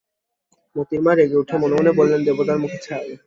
মোতির মা রেগে উঠে মনে মনে বললে, দেবতার মুখে ছাই!